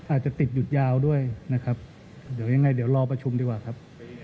อาจจะติดหยุดยาวด้วยนะครับเดี๋ยวยังไงเดี๋ยวรอประชุมดีกว่าครับ